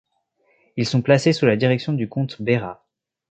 Ils sont placés sous direction du comte Bera.